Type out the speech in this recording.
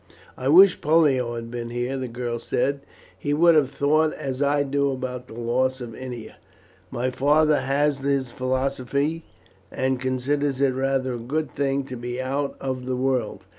"I wish Pollio had been here," the girl said; "he would have thought as I do about the loss of Ennia. My father has his philosophy, and considers it rather a good thing to be out of the world.